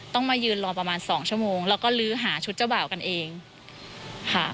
มายืนรอประมาณสองชั่วโมงแล้วก็ลื้อหาชุดเจ้าบ่าวกันเองค่ะ